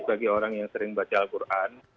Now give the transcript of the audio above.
bagi orang yang sering baca al quran